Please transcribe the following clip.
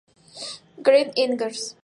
Greg Enders.